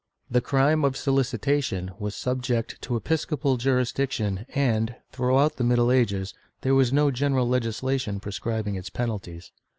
VI] TOLERANCE OF SPIRITUAL COURTS 97 The crime of solicitation was subject to episcopal jurisdiction and, throughout the middle ages, there was no general legislation prescribing its penalties.